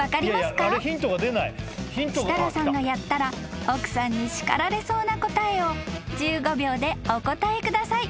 ［設楽さんがやったら奥さんに叱られそうな答えを１５秒でお答えください］